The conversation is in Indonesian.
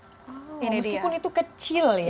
meskipun itu kecil ya